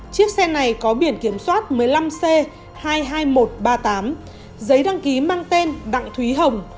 chiếc xe này có biển kiểm soát một mươi năm c hai mươi hai nghìn một trăm ba mươi tám giấy đăng ký mang tên đặng thúy hồng